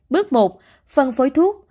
bước một phân phối thuốc